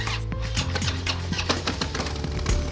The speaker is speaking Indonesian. terima kasih chandra